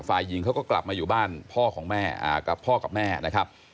ฝ่ายหญิงเขาก็กลับมาอยู่บ้านพ่อของแม่กับพ่อกับแม่นะครับ